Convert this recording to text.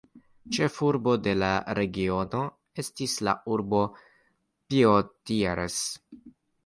Ĉefurbo de la regiono estis la urbo Poitiers.